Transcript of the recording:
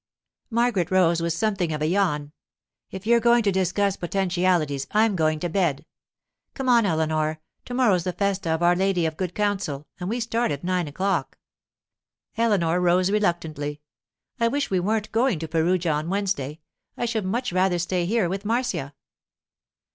Margaret rose with something of a yawn. 'If you're going to discuss potentialities, I'm going to bed. Come on, Eleanor. To morrow's the festa of Our Lady of Good Counsel, and we start at nine o'clock.' Eleanor rose reluctantly. 'I wish we weren't going to Perugia on Wednesday. I should much rather stay here with Marcia.